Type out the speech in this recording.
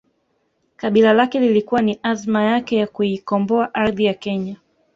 Kabila lake lilikuwa ni azma yake ya kuikomboa ardhi ya kenya